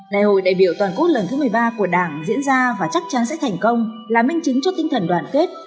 đại hội đại biểu toàn quốc lần thứ một mươi ba của đảng diễn ra và chắc chắn sẽ thành công là minh chứng cho tinh thần đoàn kết